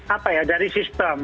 apa ya dari sistem